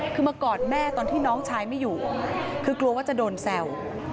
คือมากอดแม่ตอนที่น้องชายไม่อยู่คือกลัวว่าจะโดนแซว